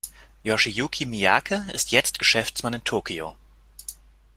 Yoshiyuki Miyake ist jetzt Geschäftsmann in Tokio.